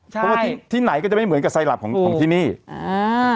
เพราะว่าที่ที่ไหนก็จะไม่เหมือนกับไซรับของของที่นี่อ่า